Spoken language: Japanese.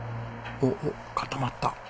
おおっ固まった。